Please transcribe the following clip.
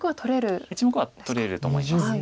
１目は取れると思います。